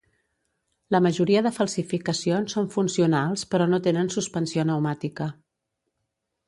La majoria de falsificacions són funcionals però no tenen suspensió neumàtica.